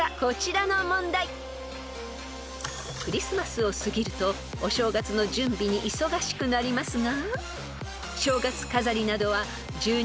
［クリスマスを過ぎるとお正月の準備に忙しくなりますが］